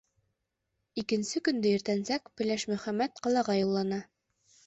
Икенсе көндө иртәнсәк Пеләш Мөхәммәт ҡалаға юллана.